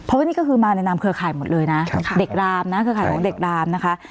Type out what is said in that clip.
เพราะว่านี่ก็คือมาในนามเครือข่ายหมดเลยนะเด็กรามนะเครือข่ายของเด็กรามนะคะ